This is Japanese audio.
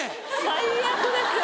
最悪ですよ